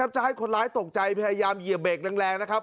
จะให้คนร้ายตกใจพยายามเหยียบเบรกแรงนะครับ